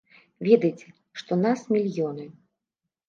Ведайце, што нас мільёны!